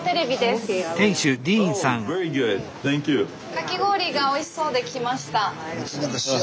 かき氷がおいしそうで来ました。